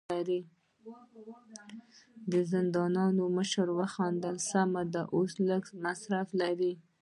د زندان مشر وخندل: سمه ده، خو لږ مصرف لري.